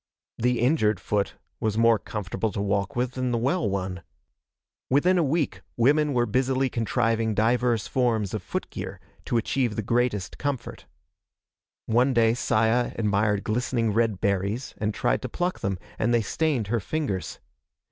The injured foot was more comfortable to walk with than the well one. Within a week women were busily contriving divers forms of footgear, to achieve the greatest comfort. One day Saya admired glistening red berries and tried to pluck them, and they stained her fingers.